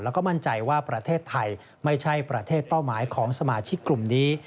แล้วก็มั่นใจว่าประเทศไทยไม่ใช่ประเทศเป้าหมายของสมาชิกกลุ่มนี้